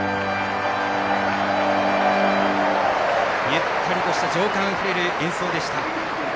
ゆったりとした情感あふれる演奏でした。